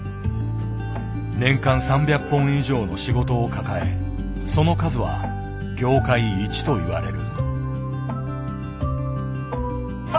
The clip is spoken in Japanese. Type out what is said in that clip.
年間３００本以上の仕事を抱えその数は業界一と言われる。